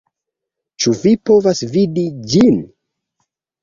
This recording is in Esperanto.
Ĉu vi povas vidi ĝin?